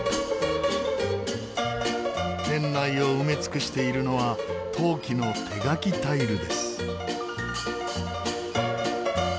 店内を埋め尽くしているのは陶器の手描きタイルです。